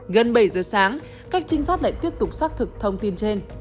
gần bảy giờ sáng các trinh sát lại tiếp tục xác thực thông tin trên